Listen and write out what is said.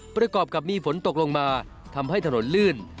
ประกอบกับมีฝนตกลงมาทำให้ถนนลื่น